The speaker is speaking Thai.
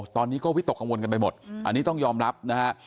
ตอนนี้ก็วิตกกังวลกันไปหมดอันนี้ต้องยอมรับนะฮะ